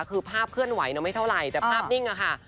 คือภาพเคลื่อนไหวไม่เท่าไหร่แต่ภาพนิ่งอะค่ะ